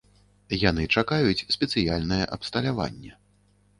Яны чакаюць спецыяльнае абсталяванне.